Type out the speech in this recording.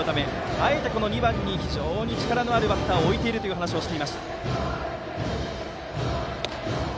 あえて２番に非常に力のあるバッターを置いているという話でした。